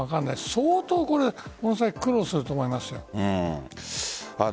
相当この先、苦労すると思います。